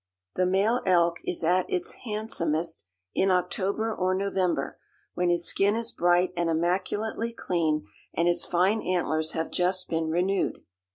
The male elk is at its handsomest in October or November, when his skin is bright and immaculately clean and his fine antlers have just been renewed.